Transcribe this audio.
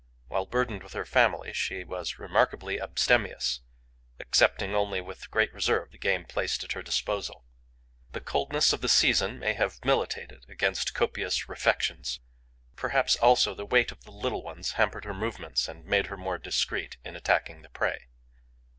While burdened with her family, she was remarkably abstemious, accepting only with great reserve the game placed at her disposal. The coldness of the season may have militated against copious refections; perhaps also the weight of the little ones hampered her movements and made her more discreet in attacking the prey.